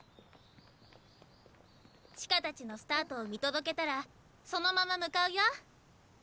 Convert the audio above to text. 千歌たちのスタートを見届けたらそのまま向かうよ。